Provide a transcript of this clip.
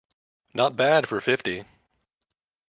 Not bad for fifty.